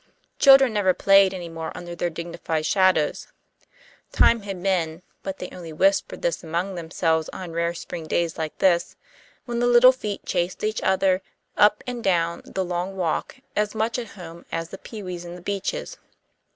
Children never played any more under their dignified shadows. Time had been (but they only whispered this among themselves on rare spring days like this) when the little feet chased each other up and down the long walk, as much at home as the pewees in the beeches.